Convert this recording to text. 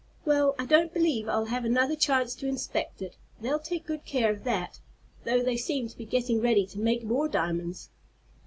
Well, I don't believe I'll have another chance to inspect it. They'll take good care of that, though they seem to be getting ready to make more diamonds."